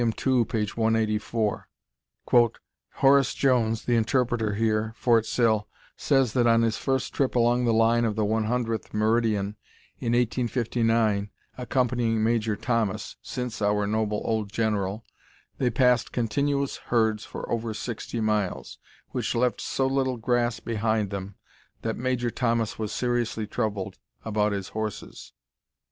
II, p. 184: "Horace Jones, the interpreter here [Fort Sill], says that on his first trip along the line of the one hundredth meridian, in 1859, accompanying Major Thomas since our noble old general they passed continuous herds for over 60 miles, which left so little grass behind them that Major Thomas was seriously troubled about his horses."